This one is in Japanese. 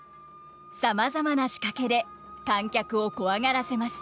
さまざまな仕掛けで観客をコワがらせます。